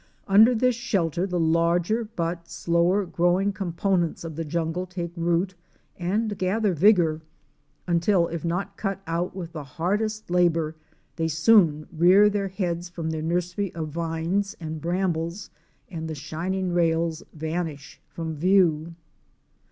Under this shelter the larger but slower growing components of the jungle take root and gather vigor, until, if not cut out with the hardest labor, they soon rear their heads from their nursery of vines and brambles, and the shining rails vanish from view.